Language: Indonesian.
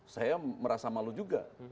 saya merasa malu juga